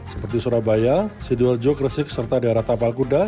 seperti surabaya siduljuk resik serta daerah tapal